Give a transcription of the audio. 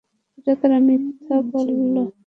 এটা তারা মিথ্যা বলে।